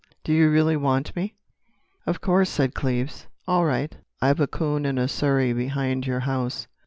"Do you really want me?" "Of course," said Cleves. "All right. I've a coon and a surrey behind your house."